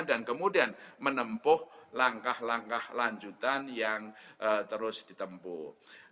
dan kemudian menempuh langkah langkah lanjutan yang terus ditempuh